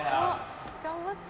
頑張って！